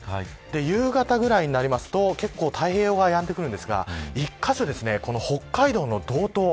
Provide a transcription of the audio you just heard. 夕方ぐらいになると太平洋側はやんでくるんですが１カ所北海道の道東。